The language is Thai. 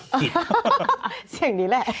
อย่างนี้ละ